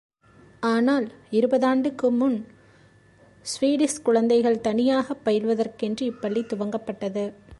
ஆனால் இருபதாண்டுக்கு முன் ஸ்வீடிஷ் குழந்தைகள் தனியாகப் பயில்வதற் கென்று இப்பள்ளி துவக்கப்பட்டது.